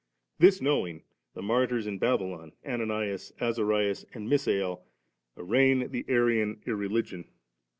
This know ing, the martyrs in Babylon, Ananias, Azarias, and Misael, arraign the Arian iireligion.